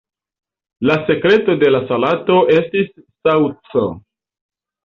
La sekreto de la salato estis saŭco.